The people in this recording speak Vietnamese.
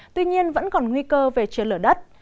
tuy nhiên vẫn còn nguy cơ về chiến lửa đất